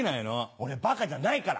俺バカじゃない。